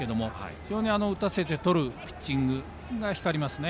非常に打たせてとるピッチングが光りますね。